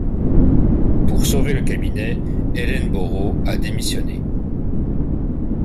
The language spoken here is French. Pour sauver le cabinet, Ellenborough a démissionné.